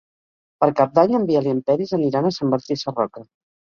Per Cap d'Any en Biel i en Peris aniran a Sant Martí Sarroca.